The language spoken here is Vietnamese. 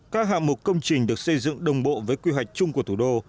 các hạng mục công trình được xây dựng đồng bộ với quy hoạch chung của thủ đô